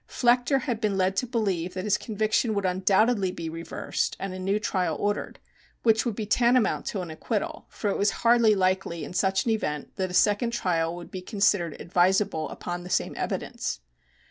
Flechter had been led to believe that his conviction would undoubtedly be reversed and a new trial ordered, which would be tantamount to an acquittal, for it was hardly likely in such an event that a second trial would be considered advisable upon the same evidence.